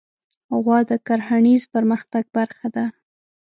غوا د کرهڼیز پرمختګ برخه ده.